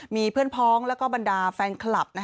มีเพื่อนพ้องแล้วก็บรรดาแฟนคลับ